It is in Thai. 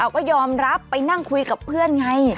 ก็ยอมรับไปนั่งคุยกับเพื่อนไง